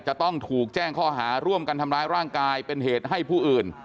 จะต้องถูกแจ้งข้อหาร่วมกันทำร้ายร่างกายเป็นเหตุให้ผู้อื่น